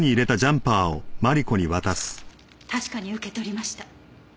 確かに受け取りました。